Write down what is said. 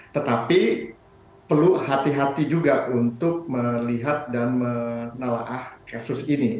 tetapi perlu hati hati juga untuk melihat dan menelaah kasus ini